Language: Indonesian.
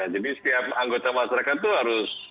jadi setiap anggota masyarakat itu harus